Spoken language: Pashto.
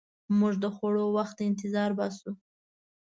موږ د خوړو وخت ته انتظار باسو.